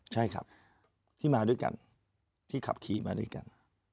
ใช่ครับที่มาด้วยกันที่ขับขี่มาด้วยกัน